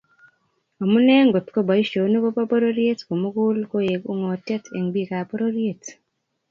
Amune ngotko boisionik kobo pororiet komugul koek ungotiet eng bikap pororiet